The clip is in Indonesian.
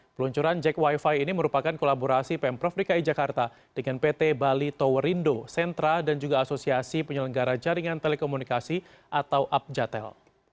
peluncuran jack wifi ini merupakan kolaborasi pemprov dki jakarta dengan pt bali towerindo sentra dan juga asosiasi penyelenggara jaringan telekomunikasi atau apjatel